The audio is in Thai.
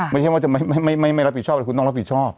ไม่ใช่ว่าจะไม่รับผิดชอบหรือคุณต้องรับผิดชอบ